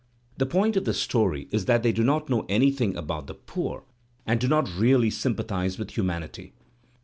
The point of the story is that they do not know anything about the poor and do not really sym pathize with humanity.